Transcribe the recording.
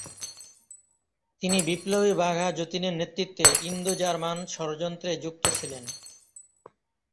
তিনি বিপ্লবী বাঘা যতীনের নেতৃত্বে ইন্দো জার্মান ষড়যন্ত্রে যুক্ত ছিলেন।